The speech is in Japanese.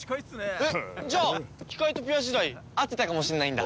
えっじゃあキカイトピア時代会ってたかもしんないんだ。